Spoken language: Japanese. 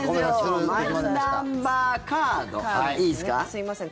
すいません。